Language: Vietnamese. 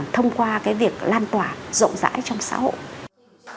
thông qua cái việc lan tỏa rộng rãi trong xã hội